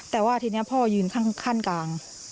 แต่ว่าทีนี้พ่อยืนข้างกลาง